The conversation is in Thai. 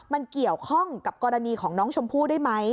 มันเกี่ยวข้องกับกรณีของน้องชมพู่ได้ไหม